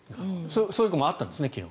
そういう声もあったんですね、昨日。